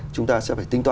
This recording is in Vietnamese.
chúng ta sẽ phải tính toán